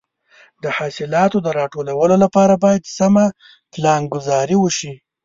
د حاصلاتو د راټولولو لپاره باید سمه پلانګذاري وشي.